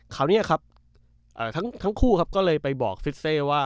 คราวนี้ครับทั้งคู่ครับก็เลยไปบอกซิสเซว่า